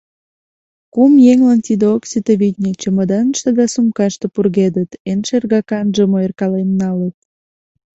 Кум еҥлан тидат ок сите, витне, чемоданыште да сумкаште пургедыт, эн шергаканжым ойыркален налыт.